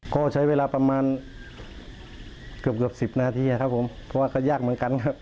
ก็ใช้เวลาประมาณเกือบ๑๐นาทีเพราะว่ายากเหมือนกันครับ